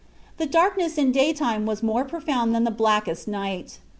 The darkness in daytime was more profound than the blackest night.